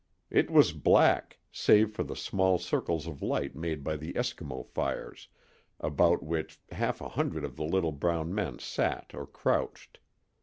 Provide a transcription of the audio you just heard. It was black, save for the small circles of light made by the Eskimo fires, about which half a hundred of the little brown men sat or crouched.